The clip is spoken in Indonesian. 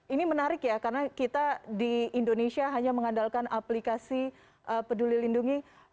ini menarik ya karena kita di indonesia hanya mengandalkan aplikasi peduli lindungi